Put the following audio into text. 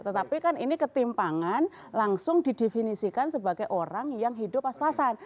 tetapi kan ini ketimpangan langsung didefinisikan sebagai orang yang hidup pas pasan